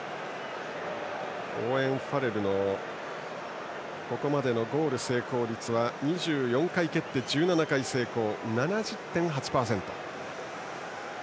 オーウェン・ファレルのここまでのゴール成功率は２４回蹴って１７回成功７０．８％。